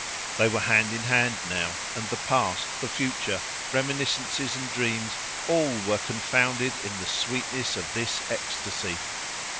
They were hand in hand now, and the past, the future, reminiscences and dreams, all were confounded in the sweetness of this ecstasy.